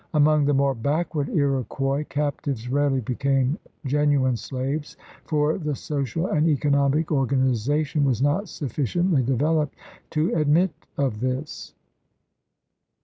Among the more backward Iroquois, captives rarely became genuine slaves, for the social and economic organi zation was not sufficiently developed to admit of this.